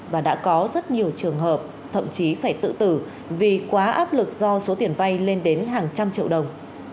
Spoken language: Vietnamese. và đã có rất nhiều trường hợp thậm chí phải tự tử vì quá áp lực do số tiền vay lên đến hàng trăm triệu đồng